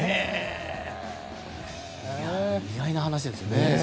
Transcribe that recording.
意外な話ですね。